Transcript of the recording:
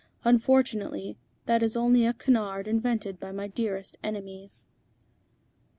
"Unfortunately that is only a canard invented by my dearest enemies." II.